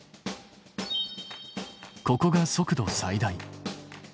ここが速度最大。